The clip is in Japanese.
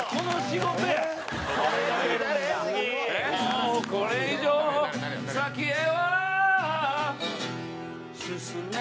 「もうこれ以上先へは進めない」